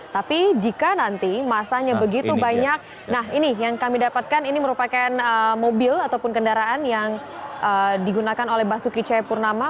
tapi jika nanti masanya begitu banyak nah ini yang kami dapatkan ini merupakan mobil ataupun kendaraan yang digunakan oleh basuki cahayapurnama